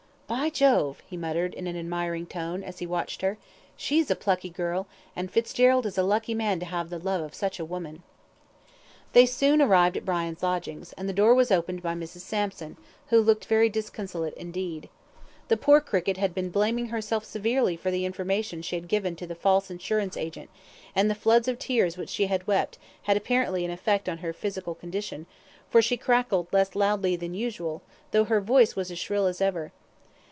"By Jove," he muttered, in an admiring tone, as he watched her. "She's a plucky girl, and Fitzgerald is a lucky man to have the love of such a woman." They soon arrived at Brian's lodgings, and the door was opened by Mrs. Sampson, who looked very disconsolate indeed. The poor cricket had been blaming herself severely for the information she had given to the false insurance agent, and the floods of tears which she had wept had apparently had an effect on her physical condition, for she crackled less loudly than usual, though her voice was as shrill as ever.